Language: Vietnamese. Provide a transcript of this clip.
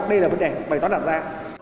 đây là vấn đề bài toán đặt ra